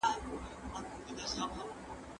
علمي مجله په زوره نه تحمیلیږي.